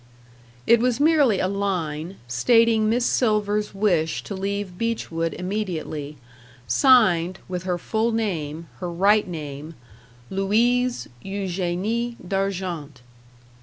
It was merely a line, stating Miss Silver's wish to leave Beechwood immediately; signed, with her full name her right name "Louise Eugenie D'Argent."